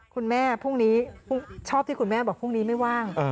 คุณแม่พรุ่งนี้ชอบที่คุณแม่บอกพรุ่งนี้ไม่ว่าง